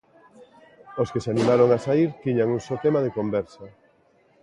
Os que se animaron a saír tiñan un só tema de conversa.